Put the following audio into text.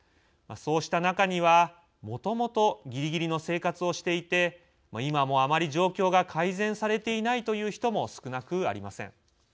そうした中にはもともと、ぎりぎりの生活をしていて今もあまり状況が改善されていないという人も少なくありません。